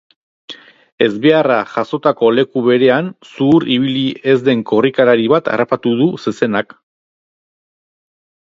Ezbeharra jazotako leku berean zuhur ibili ez den korrikalari bat harrapatu du zezenak.